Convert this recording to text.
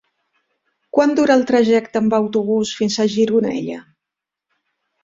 Quant dura el trajecte en autobús fins a Gironella?